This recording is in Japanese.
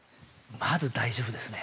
◆まず大丈夫ですね。